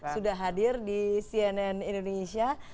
sudah hadir di cnn indonesia